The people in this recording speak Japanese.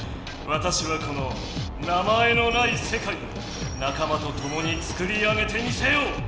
わたしはこの「名前のない世界」を仲間とともに作り上げてみせよう！